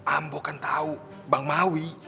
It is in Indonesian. ambo kan tau bang mawi